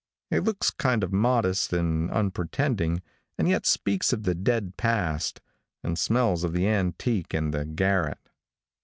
It looks kind of modest and unpretending, and yet speaks of the dead past, and smells of the antique and the garret.